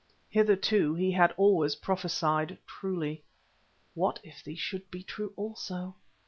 Hitherto he had always prophesied truly. What if these should be true also?